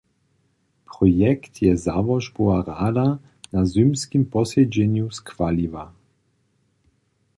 Projekt je załožbowa rada na nazymskim posedźenju schwaliła.